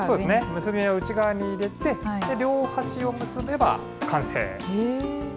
結び目を内側に入れて両端を結べば完成。